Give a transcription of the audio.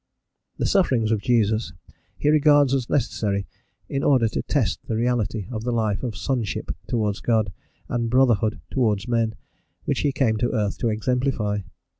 The sufferings of Jesus he regards as necessary in order to test the reality of the life of sonship towards God, and brotherhood towards men, which he came to earth to exemplify.